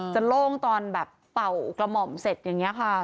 โล่งตอนแบบเป่ากระหม่อมเสร็จอย่างนี้ค่ะ